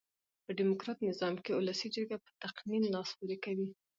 په ډیموکرات نظام کښي اولسي جرګه په تقنين لاس پوري کوي.